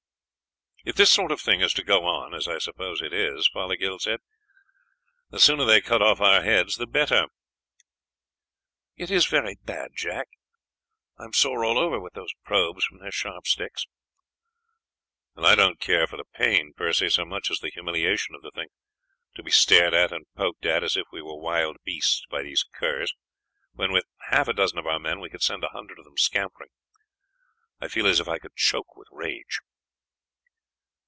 "If this sort of thing is to go on, as I suppose it is," Fothergill said, "the sooner they cut off our heads the better." "It is very bad, Jack. I am sore all over with those probes from their sharp sticks." "I don't care for the pain, Percy, so much as the humiliation of the thing. To be stared at and poked at as if we were wild beasts by these curs, when with half a dozen of our men we could send a hundred of them scampering, I feel as if I could choke with rage."